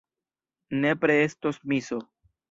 Nepre estos miso.